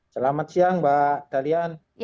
selamat siang mbak dalyan